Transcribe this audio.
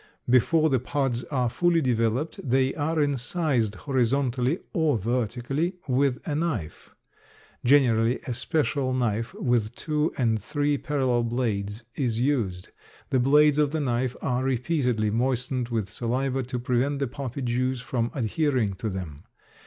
Before the pods are fully developed they are incised horizontally or vertically with a knife. Generally a special knife with two and three parallel blades is used. The blades of the knife are repeatedly moistened with saliva to prevent the poppy juice from adhering to them.